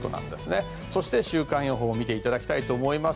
そして、週間予報を見ていきたいと思います。